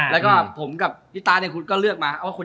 แล้วก็ผมกับพี่ตันพี่ก็เลือกนะครับ